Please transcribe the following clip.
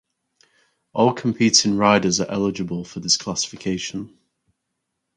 All competing riders are eligible for this classification.